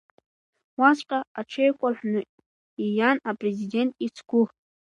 Уаҵәҟа аҽеикәарҳәны ииан Апрезидент ицгәы.